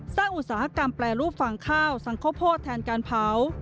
สร้างอุตสาหกรรมแปลรูปฝั่งข้าวสังคโพธิแทนการเผา